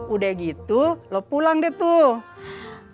udah gitu loh pulang deh tuh